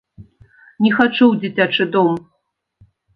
Не хачу ў дзіцячы дом!